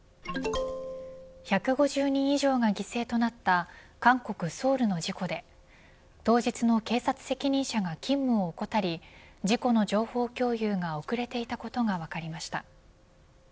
１５０人以上が犠牲となった韓国、ソウルの事故で当日の警察責任者が勤務を怠り事故の情報共有が遅れていたことが分かりました。